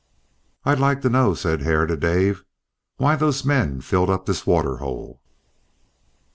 "I'd like to know," said Hare to Dave, "why those men filled up this waterhole."